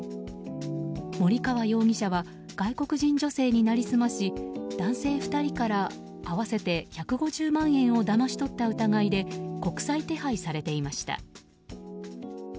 森川容疑者は外国人女性になりすまし男性２人から合わせて１５０万円をだまし取った疑いで国際手配されていました。